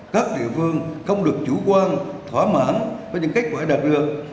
các địa phương không được chủ quan thỏa mãn với những kết quả đạt được